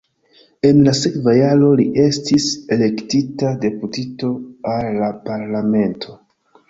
En la sekva jaro li estis elektita deputito al la parlamento.